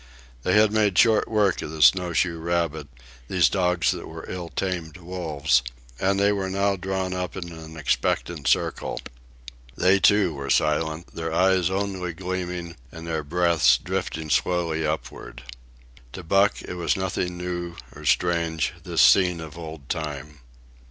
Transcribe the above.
They had made short work of the snowshoe rabbit, these dogs that were ill tamed wolves; and they were now drawn up in an expectant circle. They, too, were silent, their eyes only gleaming and their breaths drifting slowly upward. To Buck it was nothing new or strange, this scene of old time.